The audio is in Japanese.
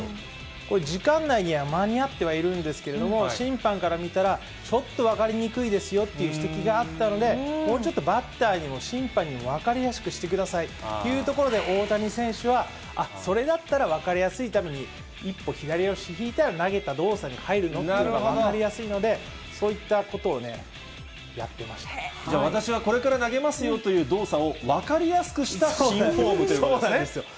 これ、時間内には間に合ってはいるんですけれども、審判から見たら、ちょっと分かりにくいですよという指摘があったので、もうちょっとバッターにも審判にも分かりやすくしてくださいというところで、大谷選手は、あっ、それだったら分かりやすいために、１本左足ひいて投げた動作に入るのが分かりやすいので、そういっ私はこれから投げますよという動作を分かりやすくした新フォームということですね。